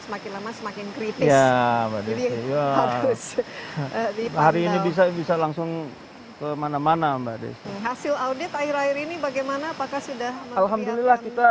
semakin lama semakin kritis ya harus di hari ini bisa bisa langsung kemana mana mbak desi hasil